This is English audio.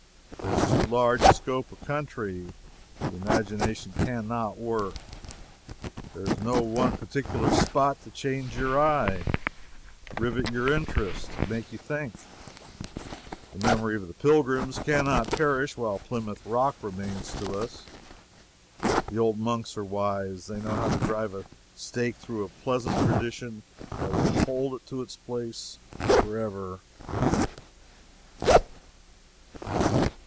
There is too large a scope of country. The imagination can not work. There is no one particular spot to chain your eye, rivet your interest, and make you think. The memory of the Pilgrims can not perish while Plymouth Rock remains to us. The old monks are wise. They know how to drive a stake through a pleasant tradition that will hold it to its place forever.